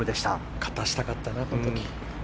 勝たせたかったなこの時。